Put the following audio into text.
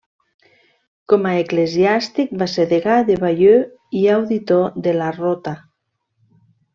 Com a eclesiàstic va ser degà de Bayeux i auditor de la Rota.